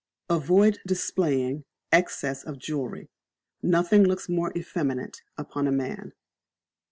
Avoid displaying Excess of Jewellery. Nothing looks more effeminate upon a man.